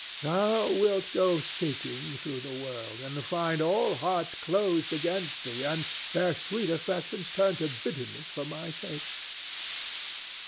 Thou wilt go seeking through the world, and find all hearts closed against thee and their sweet affections turned to bitterness for my sake.